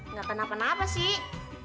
nggak kenapa napa sih